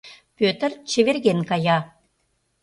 Пӧтыр чеверген кая.